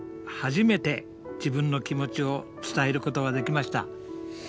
初めて自分の気持ちを伝えることができました。